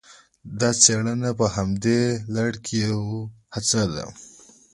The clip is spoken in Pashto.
دا څېړنه په همدې لړ کې یوه هڅه ده